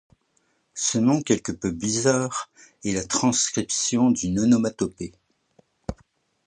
Ce nom quelque peu bizarre est la transcription d'une onomatopée.